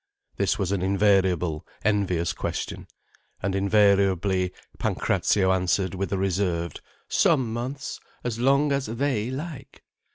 This was an invariable, envious question. And invariably Pancrazio answered with a reserved— "Some months. As long as they like."